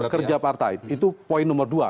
kerja partai itu poin nomor dua